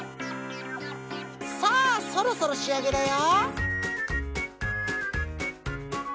さあそろそろしあげだよ。